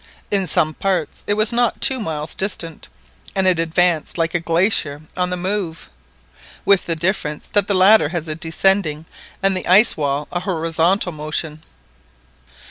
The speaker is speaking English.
In some parts it was not two miles distant, and it advanced like a glacier on the move, with the difference that the latter has a descending and the ice wall a horizontal motion.